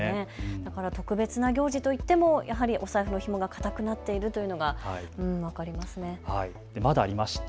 だから特別な行事といってもやはりお財布のひもが固くなっているというのが分かりますね。